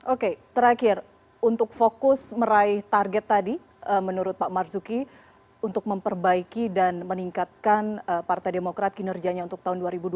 oke terakhir untuk fokus meraih target tadi menurut pak marzuki untuk memperbaiki dan meningkatkan partai demokrat kinerjanya untuk tahun dua ribu dua puluh